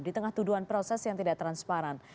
di tengah tuduhan proses yang tidak transparan